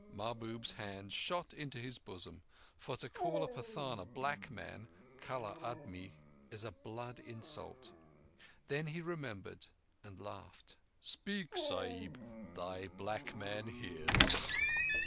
Mahbub's hand shot into his bosom, for to call a Pathan a "black man" (kala admi) is a blood insult. Then he remembered and laughed. "Speak, Sahib. Thy black man hears."